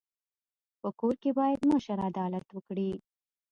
په کور کي بايد مشر عدالت وکړي.